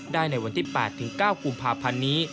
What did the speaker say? ได้ในวันที่๘๙กุมภาพันธ์นี้